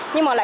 nhưng mà lại